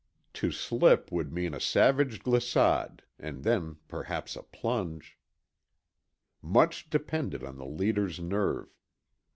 To slip would mean a savage glissade, and then perhaps a plunge Much depended on the leader's nerve.